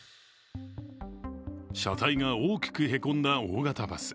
車体が大きくへこんだ大型バス。